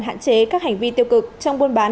hạn chế các hành vi tiêu cực trong buôn bán